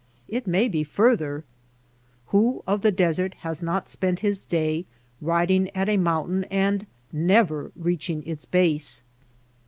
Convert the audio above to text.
It may be further. Who of the desert has not spent his day riding at a mountain and never even reaching its base